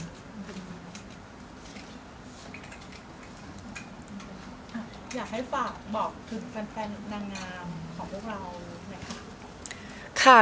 อยากให้ฝากบอกถึงแฟนนางงามของพวกเรา